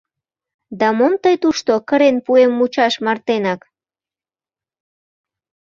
— Да мом тый тушто, кырен пуэм мучаш мартенак.